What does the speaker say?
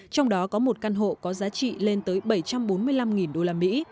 trong đó có một căn hộ có giá trị lên tới bảy trăm bốn mươi năm đô la mỹ